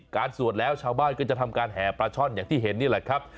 สวดแล้วชาวบ้านก็จะทำการแห่ปลาช่อนอย่างที่เห็นนี่แหละครับ